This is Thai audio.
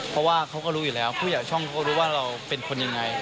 เพราะว่าเขาก็รู้อยู่แล้วผู้ใหญ่ช่องเขารู้ว่าเราเป็นคนยังไง